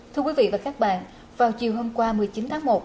thưa quý vị và các bạn vào chiều hôm qua một mươi chín tháng một